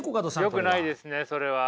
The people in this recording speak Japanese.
よくないですねそれは。